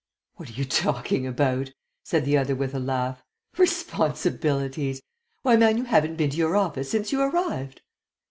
"What are you talking about?" said the other with a laugh. "Responsibilities! Why, man, you haven't been to your office since you arrived."